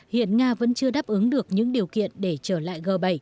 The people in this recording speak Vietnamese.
hiện nga vẫn chưa đáp ứng được những điều kiện để trở lại g bảy